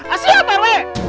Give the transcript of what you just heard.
asyik pak rw